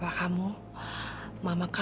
cuma kamu yang bisa menyalurkan keluarga kita